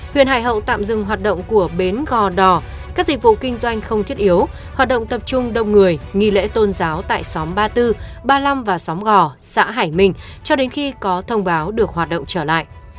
huyện hải hậu tạm dừng hoạt động của bến gò đò các dịch vụ kinh doanh không thiết yếu hoạt động tập trung đông người nghi lễ tôn giáo tại xóm ba mươi bốn ba mươi năm và xóm gò xã hải minh cho đến khi có thông báo được hoạt động trở lại